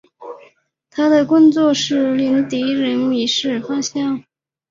他的工作是令敌人迷失方向。